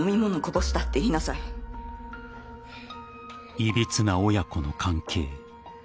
［いびつな親子の関係］